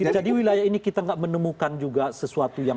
jadi wilayah ini kita nggak menemukan juga sesuatu yang